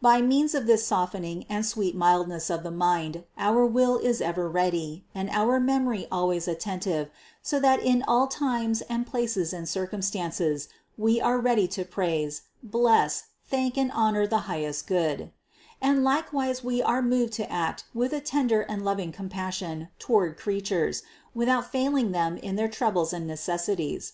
By means of this softening and sweet mild ness of the mind, our will is ever ready, and our memory always attentive, so that in all times and places and circum stances we are ready to praise, bless, thank and honor the highest Good; and likewise we are moved to act with a tender and loving compassion toward creatures, without failing them in their troubles and necessities.